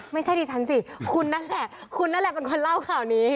ไม่ใช่ดิฉันสิคุณนั่นแหละคุณนั่นแหละเป็นคนเล่าข่าวนี้